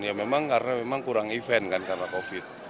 ya memang karena memang kurang event kan karena covid